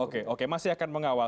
oke oke masih akan mengawal